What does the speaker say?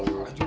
wah kalah juga